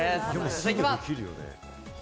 続いては。